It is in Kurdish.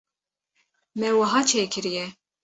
me wiha çêkiriye.